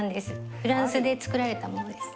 フランスで作られたものです。